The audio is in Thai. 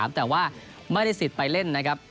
แต่ว่าไม่ได้สิทธิ์ไปเล่นนะครับ